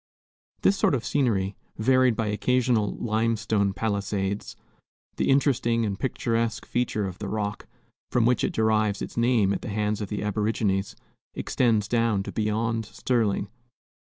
This sort of scenery, varied by occasional limestone palisades, the interesting and picturesque feature of the Rock, from which it derived its name at the hands of the aborigines, extends down to beyond Sterling.